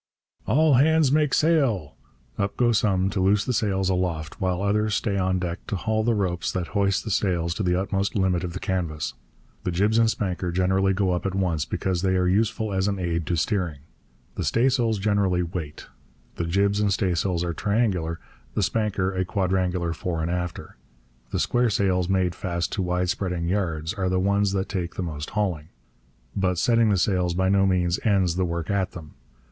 'All hands make sail!' Up go some to loose the sails aloft, while others stay on deck to haul the ropes that hoist the sails to the utmost limit of the canvas. The jibs and spanker generally go up at once, because they are useful as an aid to steering. The staysails generally wait. The jibs and staysails are triangular, the spanker a quadrangular fore and after. The square sails made fast to wide spreading yards are the ones that take most hauling. But setting the sails by no means ends the work at them.